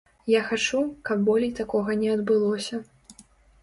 Я хачу, каб болей такога не адбылося.